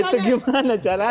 itu gimana caranya